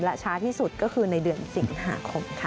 และช้าที่สุดก็คือในเดือนสิงหาคมค่ะ